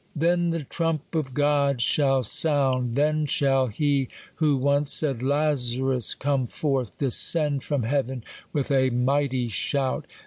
Then the trump of God shall sound ; then shall he, who once said, " Lazarus, come forth," descend from heaven, with a mighty shout.